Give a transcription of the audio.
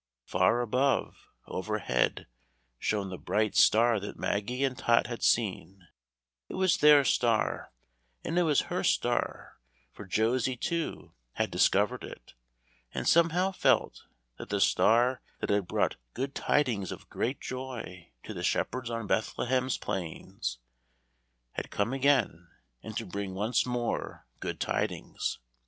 Far above, overhead, shone the bright star that Maggie and Tot had seen; it was their star and it was her star, for Josie, too, had discovered it, and somehow felt that the star that had brought "good tidings of great joy" to the shepherds on Bethlehem's plains, had come again and to bring once more "good tidings."